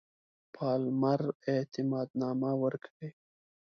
پالمر اعتماد نامه ورکړي.